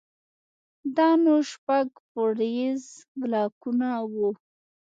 دا نو شپږ پوړيز بلاکونه وو.